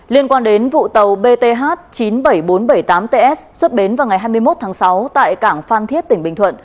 liên quan đến vụ tàu bth chín mươi bảy nghìn bốn trăm bảy mươi tám ts xuất bến vào ngày hai mươi một tháng sáu tại cảng phan thiết tỉnh bình thuận